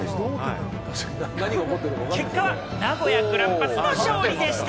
結果は名古屋グランパスの勝利でした。